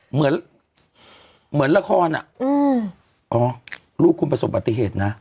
เหมือนเหมือนละครอ่ะอืมอ๋อลูกคุณประสบปฏิเหตุนะ